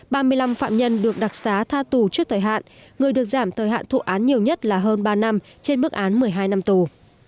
ba mươi năm phạm nhân được đặc xá tha tù trước thời hạn người được giảm thời hạn thụ án nhiều nhất là hơn ba năm trên bức án một mươi hai năm tù